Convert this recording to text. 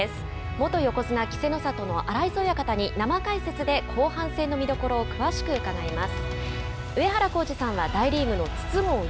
元横綱・稀勢の里の荒磯親方に生解説で後半戦の見どころを詳しくうかがいます。